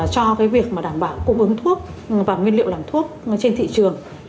cho việc đảm bảo cung ứng thuốc và nguyên liệu làm thuốc trên thị trường